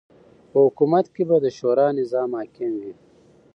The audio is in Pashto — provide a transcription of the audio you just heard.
په حکومت کی به د شورا نظام حاکم وی